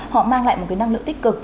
họ mang lại một cái năng lượng tích cực